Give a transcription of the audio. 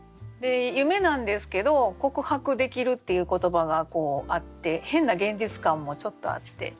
夢なんですけど「告白できる」っていう言葉があって変な現実感もちょっとあって。